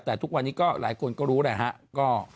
แต่ทุกวันนี้ก็หลายคนก็รู้แหละฮะ